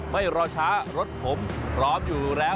ไม่รอช้ารถผมพร้อมอยู่แล้ว